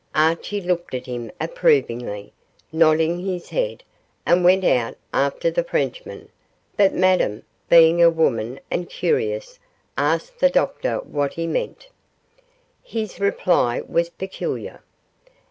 Archie looked at him approvingly, nodded his head, and went out after the Frenchman, but Madame, being a woman and curious, asked the doctor what he meant. His reply was peculiar.